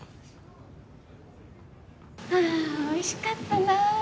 ああおいしかったな。